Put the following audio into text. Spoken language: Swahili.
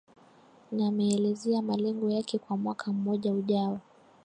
na ameelezea malengo yake kwa mwaka mmoja ujao